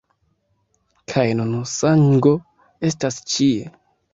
Kaj nun sango estas ĉie.